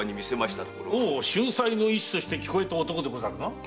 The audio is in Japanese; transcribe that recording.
俊才の医師として聞こえた男でござるな？